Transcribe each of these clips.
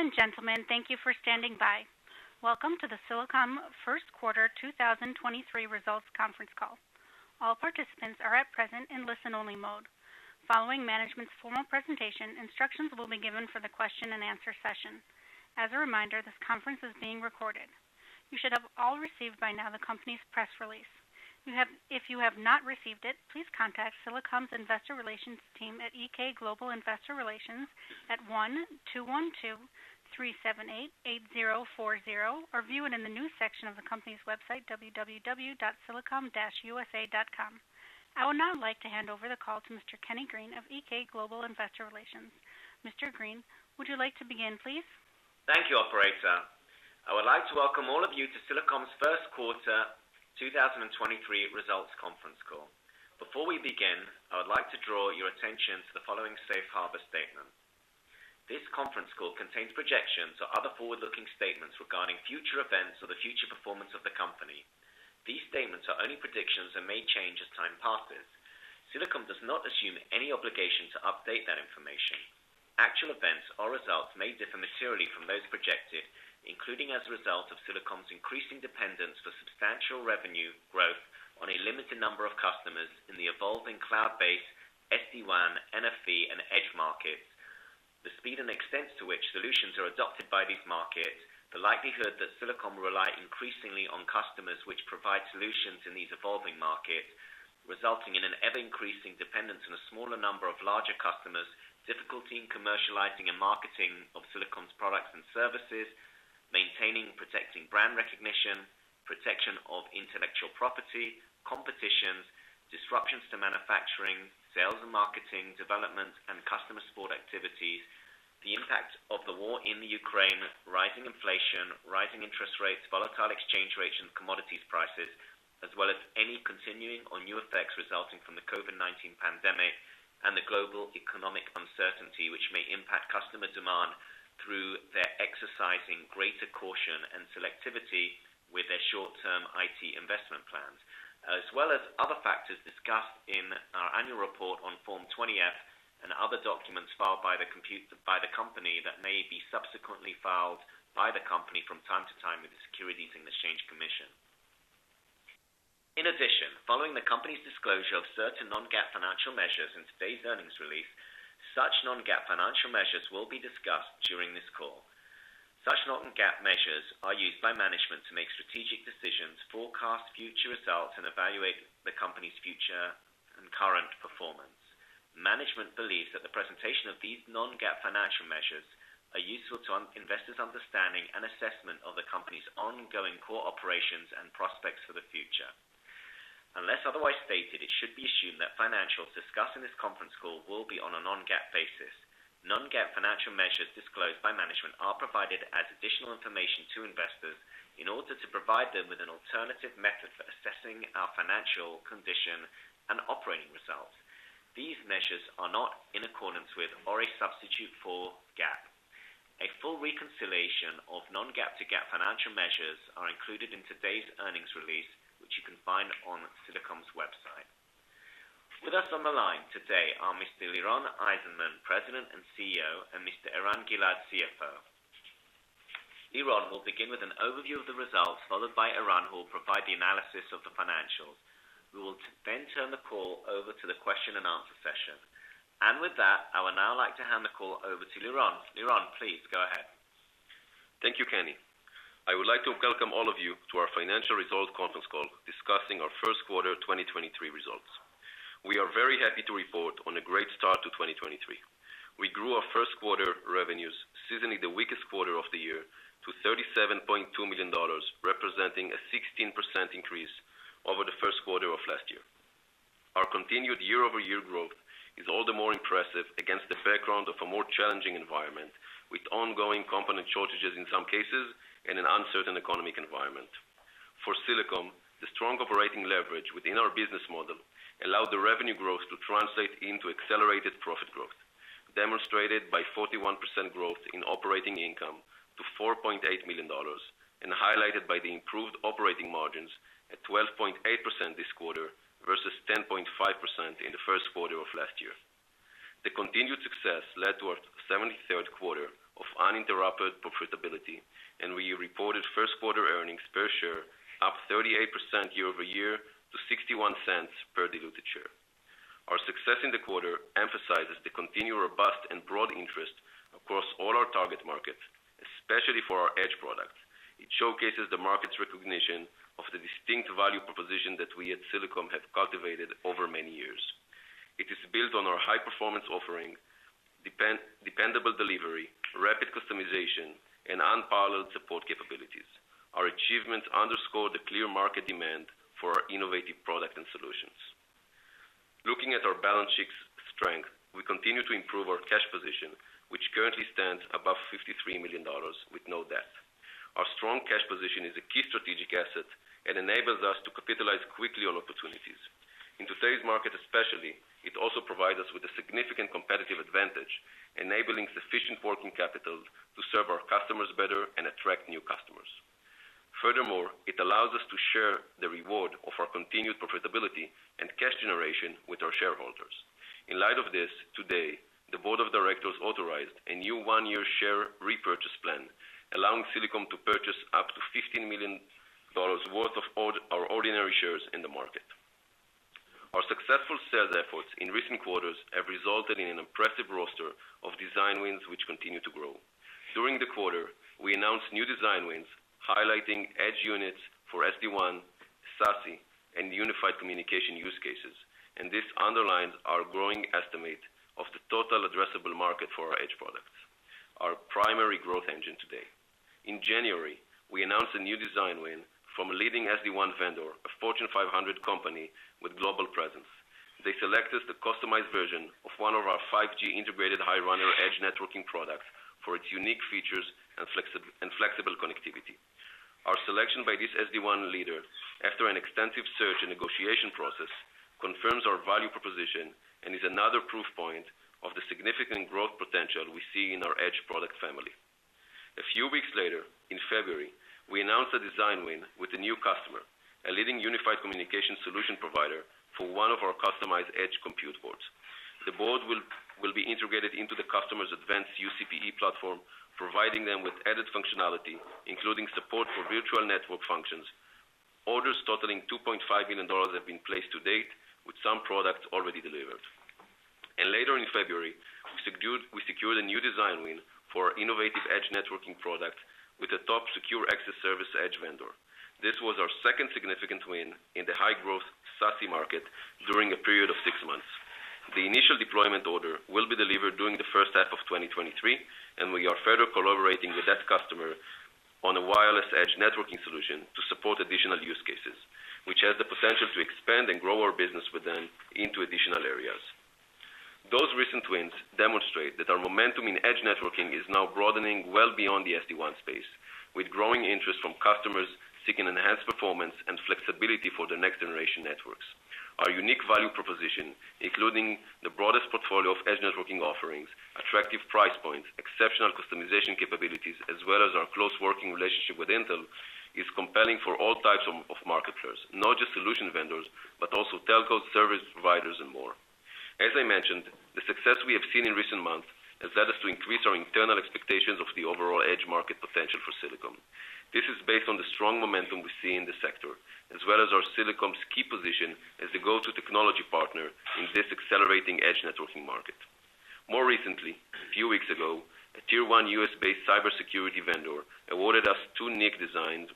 Ladies and gentlemen, thank you for standing by. Welcome to the Silicom First Quarter 2023 Results Conference Call. All participants are at present in listen only mode. Following management's formal presentation, instructions will be given for the question and answer session. As a reminder, this conference is being recorded. You should have all received by now the company's press release. If you have not received it, please contact Silicom's Investor Relations team at EK Global Investor Relations at +1-212-378-8040 or view it in the news section of the company's website, www.silicom-usa.com. I would now like to hand over the call to Mr. Kenny Green of EK Global Investor Relations. Mr. Green, would you like to begin, please? Thank you, operator. I would like to welcome all of you to Silicom's First Quarter 2023 Results Conference Call. Before we begin, I would like to draw your attention to the following safe harbor statement. This conference call contains projections or other forward-looking statements regarding future events or the future performance of the company. These statements are only predictions and may change as time passes. Silicom does not assume any obligation to update that information. Actual events or results may differ materially from those projected, including as a result of Silicom's increasing dependence for substantial revenue growth on a limited number of customers in the evolving cloud-based SD-WAN, NFV, and Edge markets. The speed and extent to which solutions are adopted by these markets, the likelihood that Silicom will rely increasingly on customers which provide solutions in these evolving markets, resulting in an ever-increasing dependence on a smaller number of larger customers, difficulty in commercializing and marketing of Silicom's products and services, maintaining and protecting brand recognition, protection of intellectual property, competitions, disruptions to manufacturing, sales and marketing, development and customer support activities, the impact of the war in the Ukraine, rising inflation, rising interest rates, volatile exchange rates and commodities prices. As well as any continuing or new effects resulting from the COVID-19 pandemic and the global economic uncertainty, which may impact customer demand through their exercising greater caution and selectivity with their short-term IT investment plans, as well as other factors discussed in our annual report on Form 20-F and other documents filed by the company that may be subsequently filed by the company from time to time with the Securities and Exchange Commission. Following the company's disclosure of certain non-GAAP financial measures in today's earnings release, such non-GAAP financial measures will be discussed during this call. Such non-GAAP measures are used by management to make strategic decisions, forecast future results, and evaluate the company's future and current performance. Management believes that the presentation of these non-GAAP financial measures are useful to investors' understanding and assessment of the company's ongoing core operations and prospects for the future. Unless otherwise stated, it should be assumed that financials discussed in this conference call will be on a non-GAAP basis. Non-GAAP financial measures disclosed by management are provided as additional information to investors in order to provide them with an alternative method for assessing our financial condition and operating results. These measures are not in accordance with or a substitute for GAAP. A full reconciliation of non-GAAP to GAAP financial measures are included in today's earnings release, which you can find on Silicom's website. With us on the line today are Mr. Liron Eizenman, President and CEO, and Mr. Eran Gilad, CFO. Liron will begin with an overview of the results, followed by Eran, who will provide the analysis of the financials. We will then turn the call over to the question and answer session. With that, I would now like to hand the call over to Liron. Liron, please go ahead. Thank you, Kenny. I would like to welcome all of you to our financial results conference call discussing our first quarter 2023 results. We are very happy to report on a great start to 2023. We grew our first quarter revenues, seasonally the weakest quarter of the year, to $37.2 million, representing a 16% increase over the first quarter of last year. Our continued year-over-year growth is all the more impressive against the background of a more challenging environment, with ongoing component shortages in some cases, and an uncertain economic environment. For Silicom, the strong operating leverage within our business model allowed the revenue growth to translate into accelerated profit growth, demonstrated by 41% growth in operating income to $4.8 million, and highlighted by the improved operating margins at 12.8% this quarter versus 10.5% in the first quarter of last year. The continued success led to our 73rd quarter of uninterrupted profitability, and we reported first quarter earnings per share up 38% year-over-year to $0.61 per diluted share. Our success in the quarter emphasizes the continued robust and broad interest across all our target markets, especially for our Edge products. It showcases the market's recognition of the distinct value proposition that we at Silicom have cultivated over many years. It is built on our high-performance offering, dependable delivery, rapid customization, and unparalleled support capabilities. Our achievements underscore the clear market demand for our innovative products and solutions. Looking at our balance sheet's strength, we continue to improve our cash position, which currently stands above $53 million with no debt. Our strong cash position is a key strategic asset and enables us to capitalize quickly on opportunities. In today's market especially, it also provides us with a significant competitive advantage, enabling sufficient working capital to serve our customers better and attract new customers. It allows us to share the reward of our continued profitability and cash generation with our shareholders. In light of this, today, the board of directors authorized a new one-year share repurchase plan, allowing Silicom to purchase up to $15 million worth of our ordinary shares in the market. Our successful sales efforts in recent quarters have resulted in an impressive roster of design wins, which continue to grow. During the quarter, we announced new design wins, highlighting Edge units for SD-WAN, SASE, and unified communication use cases, and this underlines our growing estimate of the total addressable market for our Edge products, our primary growth engine today. In January, we announced a new design win from a leading SD-WAN vendor, a Fortune 500 company with global presence. They selected the customized version of one of our 5G integrated High-Runner Edge networking products for its unique features and flexible connectivity. Our selection by this SD-WAN leader, after an extensive search and negotiation process, confirms our value proposition and is another proof point of the significant growth potential we see in our Edge product family. A few weeks later, in February, we announced a design win with a new customer, a leading unified communication solution provider for one of our customized Edge compute boards. The board will be integrated into the customer's advanced UCPE platform, providing them with added functionality, including support for virtual network functions. Orders totaling $2.5 million have been placed to date, with some products already delivered. Later in February, we secured a new design win for our innovative Edge networking product with a top Secure Access Service Edge vendor. This was our second significant win in the high-growth SASE market during a period of six months. The initial deployment order will be delivered during the first half of 2023, and we are further collaborating with that customer on a wireless Edge networking solution to support additional use cases, which has the potential to expand and grow our business with them into additional areas. Those recent wins demonstrate that our momentum in Edge networking is now broadening well beyond the SD-WAN space, with growing interest from customers seeking enhanced performance and flexibility for their next-generation networks. Our unique value proposition, including the broadest portfolio of Edge networking offerings, attractive price points, exceptional customization capabilities, as well as our close working relationship with Intel, is compelling for all types of marketeers, not just solution vendors, but also telco service providers and more. As I mentioned, the success we have seen in recent months has led us to increase our internal expectations of the overall Edge market potential for Silicom. This is based on the strong momentum we see in the sector, as well as our Silicom's key position as the go-to technology partner in this accelerating Edge networking market. More recently, a few weeks ago, a tier one U.S.-based cybersecurity vendor awarded us two NIC design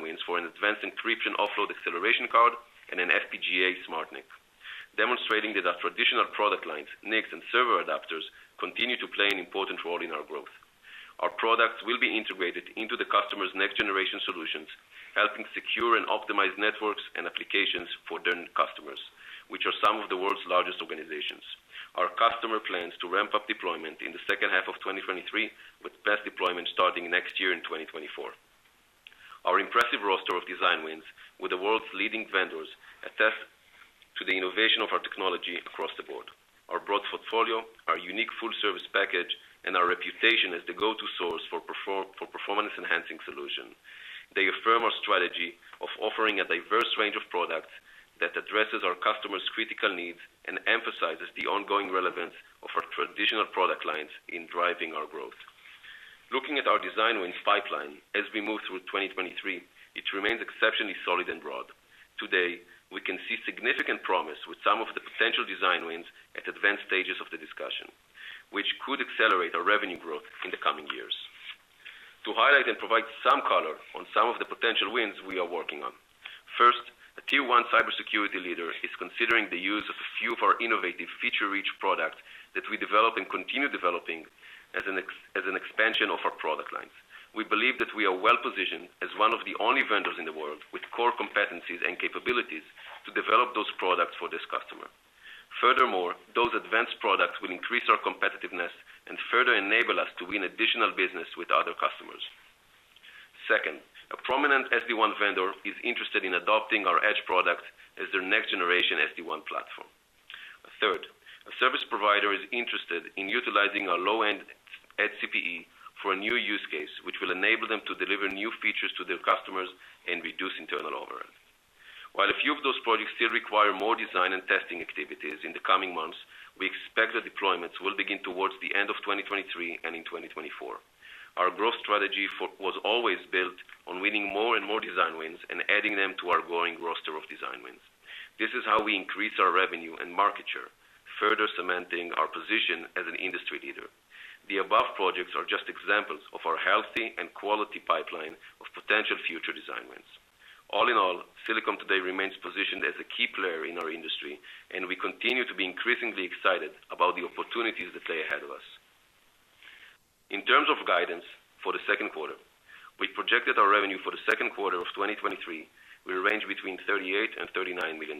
wins for an advanced encryption offload acceleration card and an FPGA SmartNIC, demonstrating that our traditional product lines, NICs and server adapters, continue to play an important role in our growth. Our products will be integrated into the customer's next-generation solutions, helping secure and optimize networks and applications for their customers, which are some of the world's largest organizations. Our customer plans to ramp up deployment in the second half of 2023, with best deployment starting next year in 2024. Our impressive roster of design wins with the world's leading vendors attest to the innovation of our technology across the board. Our broad portfolio, our unique full-service package, our reputation as the go-to source for performance-enhancing solution. They affirm our strategy of offering a diverse range of products that addresses our customers' critical needs and emphasizes the ongoing relevance of our traditional product lines in driving our growth. Looking at our design wins pipeline as we move through 2023, it remains exceptionally solid and broad. Today, we can see significant promise with some of the potential design wins at advanced stages of the discussion, which could accelerate our revenue growth in the coming years. To highlight and provide some color on some of the potential wins we are working on. First, a tier one cybersecurity leader is considering the use of a few of our innovative feature-rich products that we develop and continue developing as an expansion of our product lines. We believe that we are well-positioned as one of the only vendors in the world with core competencies and capabilities to develop those products for this customer. Furthermore, those advanced products will increase our competitiveness and further enable us to win additional business with other customers. Second, a prominent SD-WAN vendor is interested in adopting our edge product as their next-generation SD-WAN platform. Third, a service provider is interested in utilizing our low-end Edge CPE for a new use case, which will enable them to deliver new features to their customers and reduce internal overhead. While a few of those projects still require more design and testing activities in the coming months, we expect the deployments will begin towards the end of 2023 and in 2024. Our growth strategy was always built on winning more and more design wins and adding them to our growing roster of design wins. This is how we increase our revenue and market share, further cementing our position as an industry leader. The above projects are just examples of our healthy and quality pipeline of potential future design wins. All in all, Silicom today remains positioned as a key player in our industry, and we continue to be increasingly excited about the opportunities that lay ahead of us. In terms of guidance for the second quarter, we projected our revenue for the second quarter of 2023 will range between $38 million and $39 million.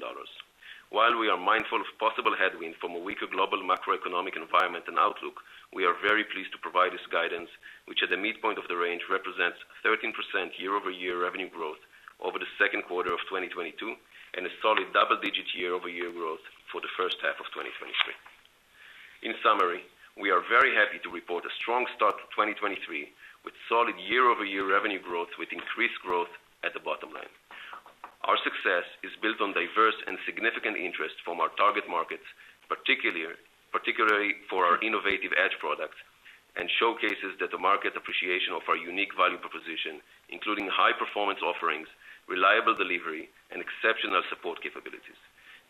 While we are mindful of possible headwinds from a weaker global macroeconomic environment and outlook, we are very pleased to provide this guidance, which at the midpoint of the range represents 13% year-over-year revenue growth over the second quarter of 2022, and a solid double-digit year-over-year growth for the first half of 2023. In summary, we are very happy to report a strong start to 2023 with solid year-over-year revenue growth with increased growth at the bottom line. Our success is built on diverse and significant interest from our target markets, particularly for our innovative Edge products, and showcases that the market appreciation of our unique value proposition, including high performance offerings, reliable delivery, and exceptional support capabilities.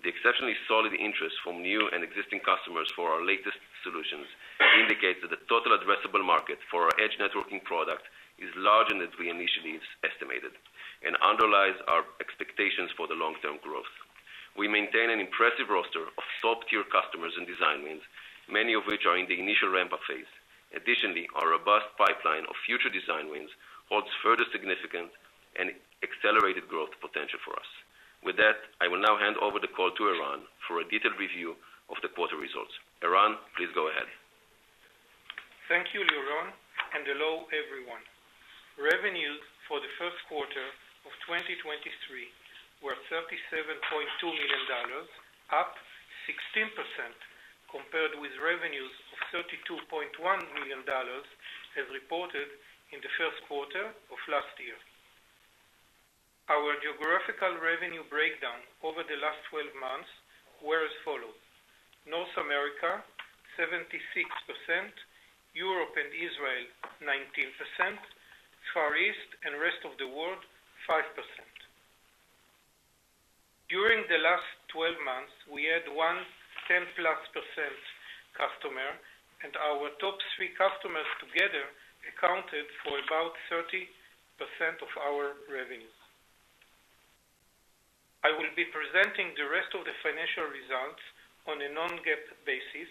The exceptionally solid interest from new and existing customers for our latest solutions indicates that the total addressable market for our Edge networking product is larger than we initially estimated and underlies our expectations for the long-term growth. We maintain an impressive roster of top-tier customers and design wins, many of which are in the initial ramp-up phase. Additionally, our robust pipeline of future design wins holds further significant and accelerated growth potential for us. With that, I will now hand over the call to Eran for a detailed review of the quarter results. Eran, please go ahead. Thank you, Liron, and hello, everyone. Revenues for the first quarter of 2023 were $37.2 million, up 16% compared with revenues of $32.1 million as reported in the first quarter of last year. Our geographical revenue breakdown over the last 12 months were as follows: North America, 76%, Europe and Israel, 19%, Far East and rest of the world, 5%. During the last 12 months, we had one 10%+ customer, and our top three customers together accounted for about 30% of our revenues. I will be presenting the rest of the financial results on a non-GAAP basis,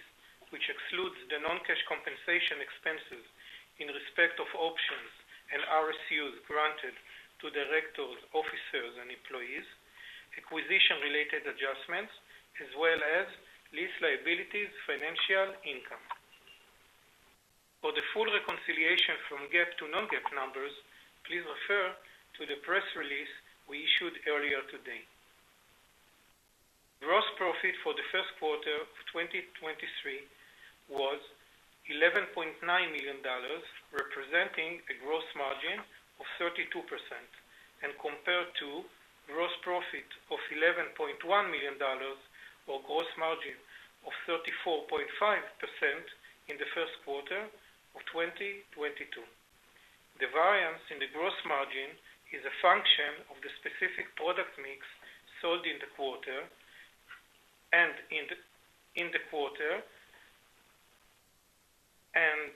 which excludes the non-cash compensation expenses in respect of options and RSUs granted to directors, officers, and employees, acquisition-related adjustments, as well as lease liabilities financial income. For the full reconciliation from GAAP to non-GAAP numbers, please refer to the press release we issued earlier today. Gross profit for the first quarter of 2023 was $11.9 million, representing a gross margin of 32% and compared to gross profit of $11.1 million or gross margin of 34.5% in the first quarter of 2022. The variance in the gross margin is a function of the specific product mix sold in the quarter and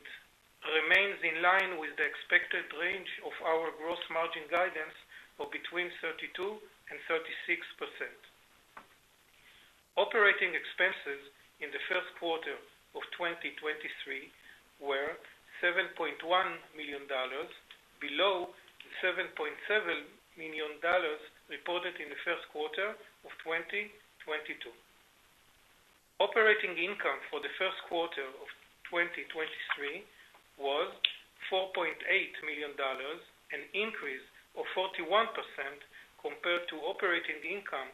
remains in line with the expected range of our gross margin guidance of between 32% and 36%. Operating expenses in the first quarter of 2023 were $7.1 million, below $7.7 million reported in the first quarter of 2022. Operating income for the first quarter of 2023 was $4.8 million, an increase of 41% compared to operating income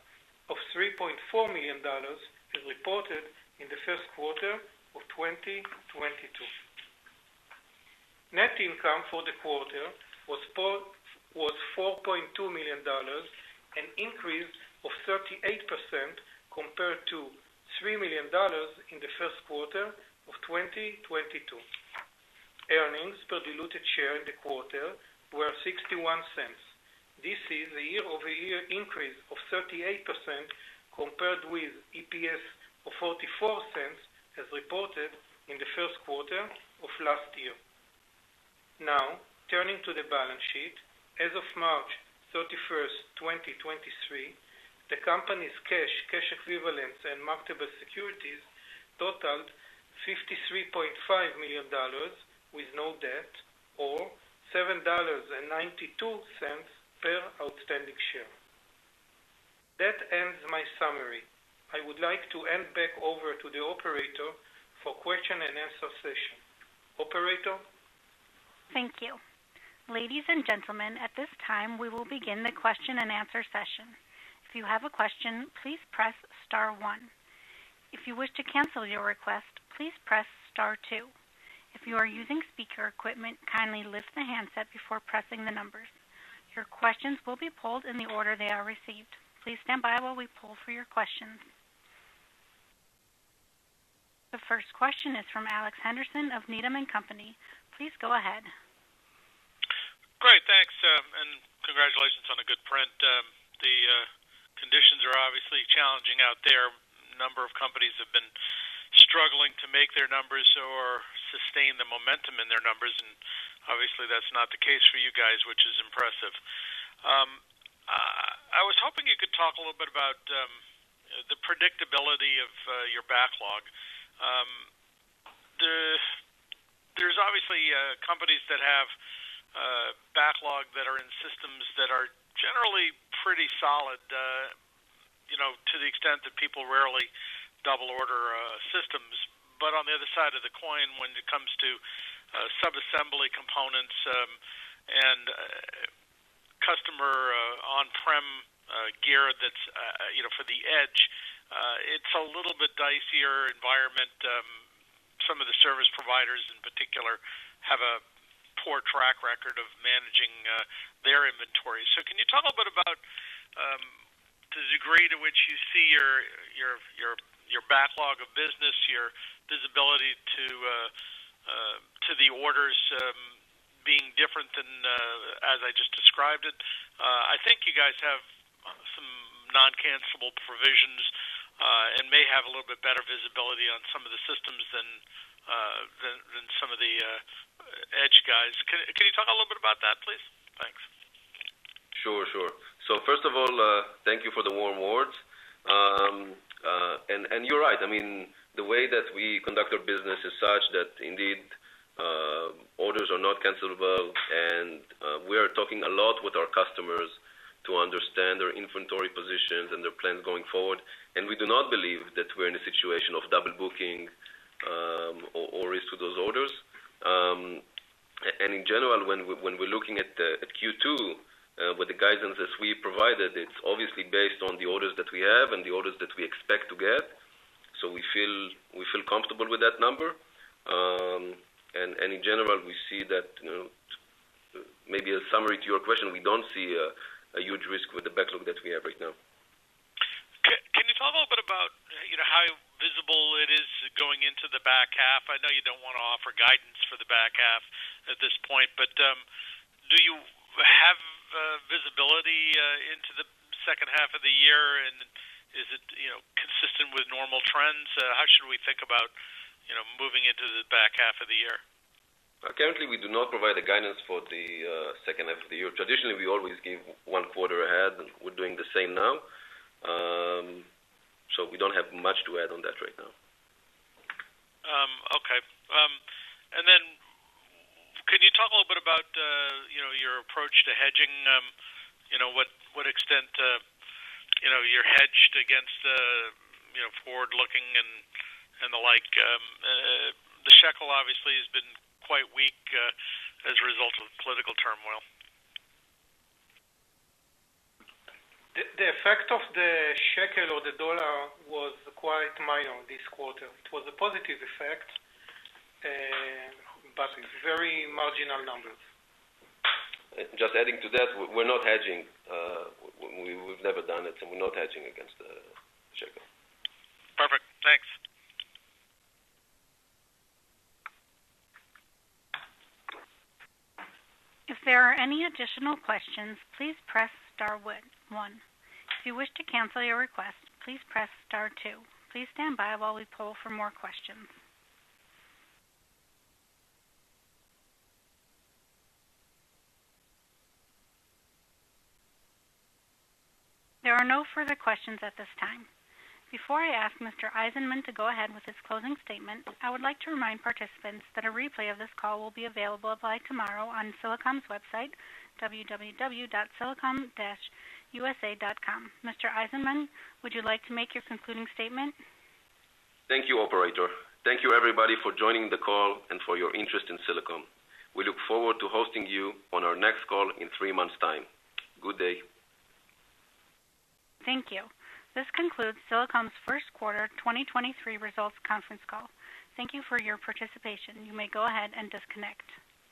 of $3.4 million as reported in the first quarter of 2022. Net income for the quarter was $4.2 million, an increase of 38% compared to $3 million in the first quarter of 2022. Earnings per diluted share in the quarter were $0.61. This is a year-over-year increase of 38% compared with EPS of $0.44 as reported in the first quarter of last year. Turning to the balance sheet. As of March 31, 2023, the company's cash equivalents, and marketable securities totaled $53.5 million with no debt or $7.92 per outstanding share. That ends my summary. I would like to hand back over to the operator for question and answer session. Operator? Thank you. Ladies and gentlemen, at this time, we will begin the question-and-answer session. If you have a question, please press star one. If you wish to cancel your request, please press star two. If you are using speaker equipment, kindly lift the handset before pressing the numbers. Your questions will be pulled in the order they are received. Please stand by while we pull for your questions. The first question is from Alex Henderson of Needham & Company, LLC. Please go ahead. Great. Thanks, and congratulations on a good print. The conditions are obviously challenging out there. A number of companies have been struggling to make their numbers or sustain the momentum in their numbers, obviously, that's not the case for you guys, which is impressive. I was hoping you could talk a little bit about the predictability of your backlog. There's obviously companies that have backlog that are in systems that are generally pretty solid, you know, to the extent that people rarely double order systems. On the other side of the coin, when it comes to sub-assembly components, andCustomer, on-prem gear that's, you know, for the Edge, it's a little bit dicier environment. Some of the service providers in particular have a poor track record of managing their inventory. Can you talk a bit about the degree to which you see your backlog of business, your visibility to the orders, being different than as I just described it? I think you guys have some non-cancelable provisions and may have a little bit better visibility on some of the systems than some of the Edge guys. Can you talk a little bit about that, please? Thanks. Sure, sure. First of all, thank you for the warm words. And you're right. I mean, the way that we conduct our business is such that indeed, orders are not cancelable, and we are talking a lot with our customers to understand their inventory positions and their plans going forward. We do not believe that we're in a situation of double booking, or risk to those orders. In general, when we're looking at Q2, with the guidance that we provided, it's obviously based on the orders that we have and the orders that we expect to get. We feel comfortable with that number. In general, we see that, you know, maybe a summary to your question, we don't see a huge risk with the backlog that we have right now. Can you talk a little bit about, you know, how visible it is going into the back half? I know you don't want to offer guidance for the back half at this point, but do you have visibility into the second half of the year? Is it, you know, consistent with normal trends? How should we think about, you know, moving into the back half of the year? Currently, we do not provide a guidance for the second half of the year. Traditionally, we always give one quarter ahead. We're doing the same now. We don't have much to add on that right now. Okay. Can you talk a little bit about, you know, your approach to hedging? You know, what extent, you know, you're hedged against, you know, forward-looking and the like. The shekel obviously has been quite weak, as a result of political turmoil. The effect of the shekel or the dollar was quite mild this quarter. It was a positive effect, with very marginal numbers. Just adding to that, we're not hedging. We've never done it, so we're not hedging against the shekel. Perfect. Thanks. If there are any additional questions, please press star one. If you wish to cancel your request, please press star two. Please stand by while we poll for more questions. There are no further questions at this time. Before I ask Mr. Eizenman to go ahead with his closing statement, I would like to remind participants that a replay of this call will be available by tomorrow on Silicom's website, www.silicom-usa.com. Mr. Eizenman, would you like to make your concluding statement? Thank you, operator. Thank you everybody for joining the call and for your interest in Silicom. We look forward to hosting you on our next call in three months' time. Good day. Thank you. This concludes Silicom's First Quarter 2023 Results Conference Call. Thank you for your participation. You may go ahead and disconnect.